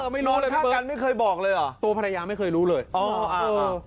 ไม่นอนฆ่ากันไม่เคยบอกเลยอ่ะตัวภรรยาไม่เคยรู้เลยอ๋ออ่า